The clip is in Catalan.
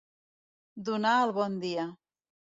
Donar el bon dia.